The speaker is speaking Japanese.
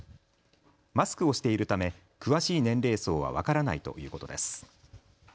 マスクをしているため詳しい年齢層は分からないということです。